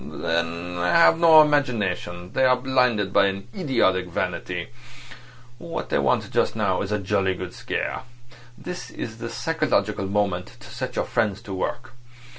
"They have no imagination. They are blinded by an idiotic vanity. What they want just now is a jolly good scare. This is the psychological moment to set your friends to work.